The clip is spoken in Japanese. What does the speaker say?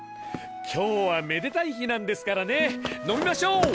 今日はめでたい日なんですからね飲みましょう！